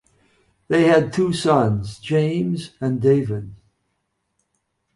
They had two sons, James and David.